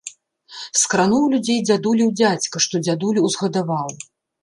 Скрануў людзей дзядулеў дзядзька, што дзядулю ўзгадаваў.